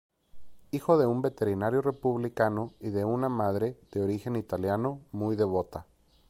Hijo de un veterinario republicano y de una madre, de origen italiano, muy devota.